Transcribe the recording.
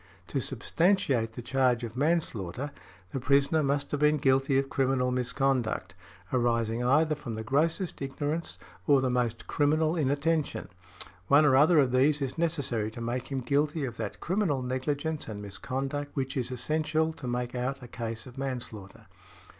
"To substantiate the charge of manslaughter, the prisoner must have been guilty of criminal misconduct, arising either from the grossest ignorance, or the most criminal inattention; one or other of these is necessary to make him guilty of that criminal negligence and misconduct which is essential to make out a case of manslaughter."